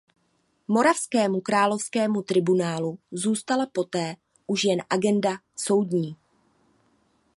Moravskému královskému tribunálu zůstala poté už jen agenda soudní.